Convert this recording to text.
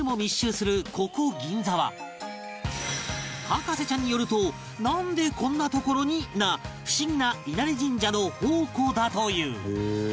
ここ銀座は博士ちゃんによると「なんでこんな所に？」な不思議な稲荷神社の宝庫だという